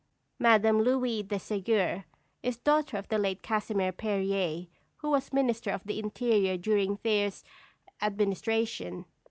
Madame Louis de Ségur is daughter of the late Casimir Périer, who was Minister of the Interior during Thiers's administration.